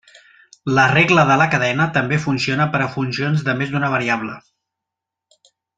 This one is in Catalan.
La regla de la cadena també funciona per a funcions de més d'una variable.